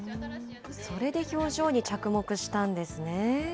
それで表情に着目したんですね。